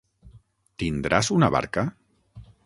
Tindràs una barca?